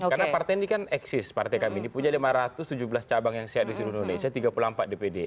karena partai ini kan eksis partai kami ini punya lima ratus tujuh belas cabang yang sehat di seluruh indonesia tiga puluh empat dpd